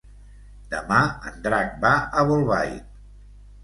Demà en Drac va a Bolbait.